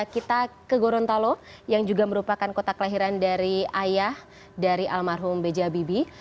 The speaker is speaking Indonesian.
kita ke gorontalo yang juga merupakan kota kelahiran dari ayah dari almarhum b j habibie